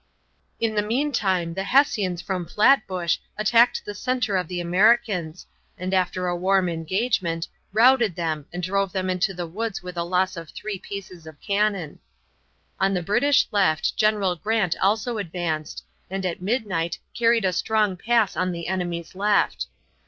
In the meantime the Hessians from Flatbush attacked the center of the Americans, and after a warm engagement, routed them and drove them into the woods with a loss of three pieces of cannon. On the British left General Grant also advanced, and at midnight carried a strong pass on the enemy's left.